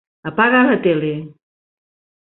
Apaga la tele.